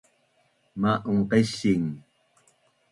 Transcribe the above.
Ma’un qesing